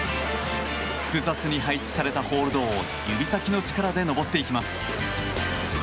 複雑に配置されたホールドを指先の力で登っていきます。